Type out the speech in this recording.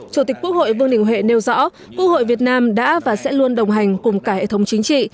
chủ tịch quốc hội vương đình huệ nêu rõ quốc hội việt nam đã và sẽ luôn đồng hành cùng cả hệ thống chính trị